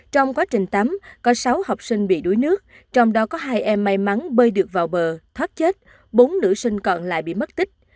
trong quá trình tắm có sáu học sinh bị đuối nước trong đó có hai em may mắn bơi được vào bờ thoát chết bốn nữ sinh còn lại bị mất tích